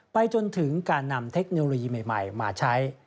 ไปจนถึงการนำเทคโนโลยีใหม่มาใช้